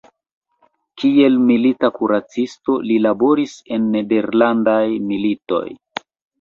Kiel milita kuracisto li laboris en nederlandaj militoj.